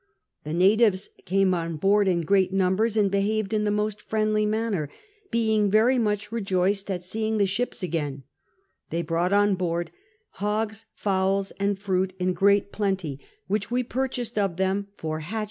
The natives came on board in great numbers and behaved in the most friendly manner, being very much rejoiced at seeing the shiiw agjiin ; they brouglit on board hogs, fowls, and fruit in great plent}'^; which we purchased of them for liatche.